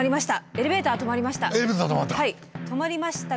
エレベーター止まった。